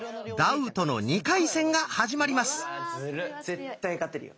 絶対勝てるよ。